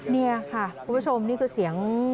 นี่ค่ะคุณผู้ชมนี่คือเสียง